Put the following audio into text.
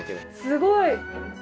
すごい！